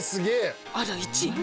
「あら１位。